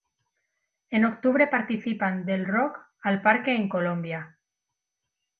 En octubre participan del Rock al Parque en Colombia.